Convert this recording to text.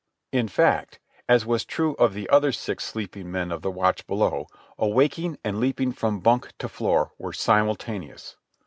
In fact, as was true of the other six sleeping men of the watch below, awaking and leaping from bunk to floor were simultaneous.